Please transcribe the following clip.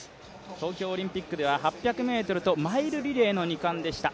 東京オリンピックでは８００ｍとマイルリレーの２冠でした。